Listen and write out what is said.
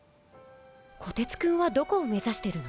こてつくんはどこを目指してるの？